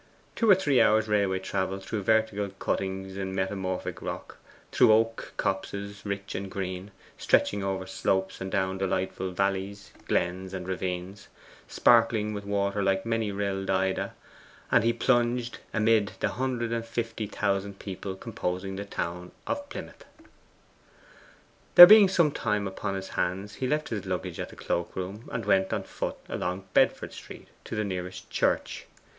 Two or three hours' railway travel through vertical cuttings in metamorphic rock, through oak copses rich and green, stretching over slopes and down delightful valleys, glens, and ravines, sparkling with water like many rilled Ida, and he plunged amid the hundred and fifty thousand people composing the town of Plymouth. There being some time upon his hands he left his luggage at the cloak room, and went on foot along Bedford Street to the nearest church.